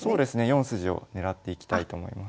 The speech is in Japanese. ４筋を狙っていきたいと思います。